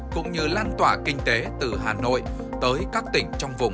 cũng như lan tỏa kinh tế từ hà nội tới các tỉnh trong vùng